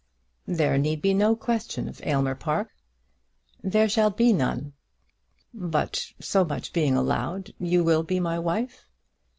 "There need be no question of Aylmer Park." "There shall be none!" "But, so much being allowed, you will be my wife?"